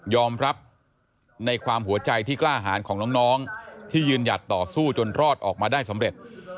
ยอมรับในความหัวใจที่กล้าหารของน้องที่ยืนหยัดต่อสู้จนรอดออกมาได้สำเร็จ